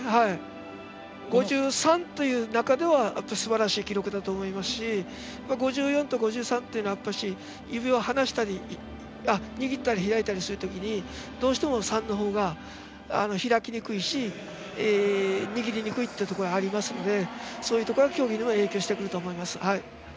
５３という中ではすばらしい記録だと思いますし５４と５３というのは指を握ったり開いたりするときにどうしても５３のほうが開きにくいし握りにくいところがあるのでそういうところは競技にも影響してくると思います。